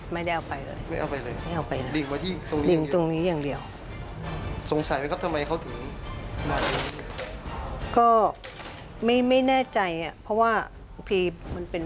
ไม่ได้เอาไปเลย